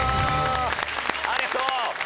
ありがとう！